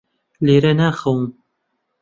لێرە ناخەوم.